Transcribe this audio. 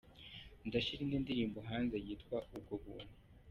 ndashyira indi ndirimbo hanze yitwa ubwo buntu.